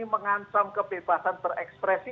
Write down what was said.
mengancam kebebasan berekspresi